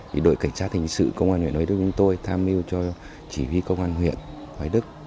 thì đội cảnh sát hình sự công an huyện hoài đức chúng tôi tham mưu cho chỉ huy công an huyện hoài đức